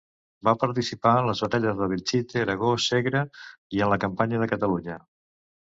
Va participar en les batalles de Belchite, Aragó, Segre i en la campanya de Catalunya.